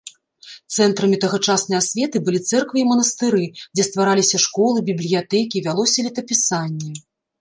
Цэнтрамі тагачаснай асветы былі цэрквы і манастыры, дзе ствараліся школы, бібліятэкі, вялося летапісанне.